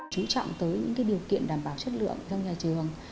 chú trọng tới những điều kiện đảm bảo chất lượng trong nhà trường